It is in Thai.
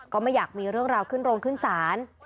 ก็ไม่อยากมีเรื่องราวขึ้นโรงขึ้นศาล